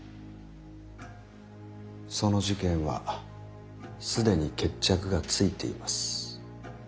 その事件は既に決着がついています。